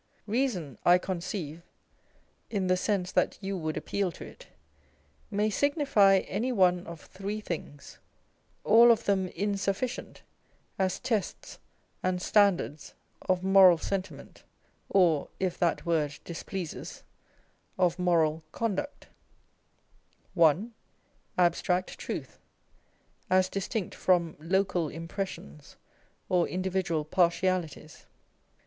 Eeason, I conceive, in the sense that you would appeal to it, may signify any one of throe things, all of them insufficient as tests and standards of moral sentiment, or (if that word displeases) of moral conduct : â€" 1. Abstract truth, as distinct from local impressions or individual partialities ; 2.